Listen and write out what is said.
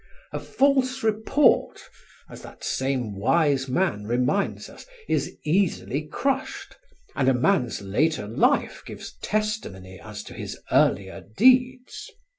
A false report, as that same wise man reminds us, is easily crushed, and a man's later life gives testimony as to his earlier deeds.